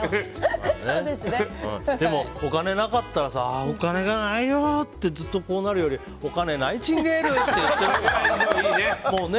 でも、お金がなかったらお金ないよってずっと、こうなるよりお金、ナイチンゲール！ってね。